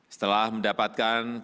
setelah mendapatkan banyak penyelesaian